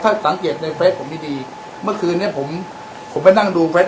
ถ้าสังเกตในเฟสผมดีดีเมื่อคืนนี้ผมผมไปนั่งดูเฟส